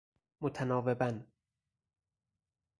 متناوباً